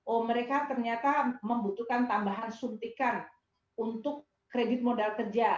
oh mereka ternyata membutuhkan tambahan suntikan untuk kredit modal kerja